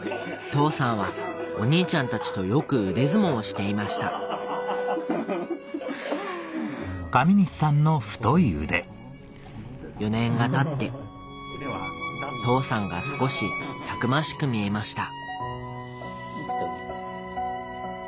父さんはお兄ちゃんたちとよく腕相撲をしていました４年がたって父さんが少したくましく見えました